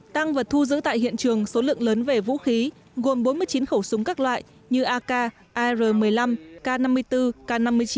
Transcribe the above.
tăng vật thu giữ tại hiện trường số lượng lớn về vũ khí gồm bốn mươi chín khẩu súng các loại như ak ar một mươi năm k năm mươi bốn k năm mươi chín